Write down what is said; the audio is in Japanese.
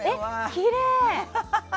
きれい！